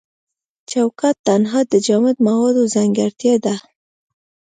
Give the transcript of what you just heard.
چوکات تنها د جامد موادو ځانګړتیا ده.